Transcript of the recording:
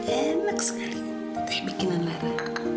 enak sekali teh bikinan lara